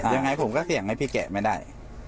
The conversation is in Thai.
ยังไงผมก็อยากให้พี่แกะไม่ได้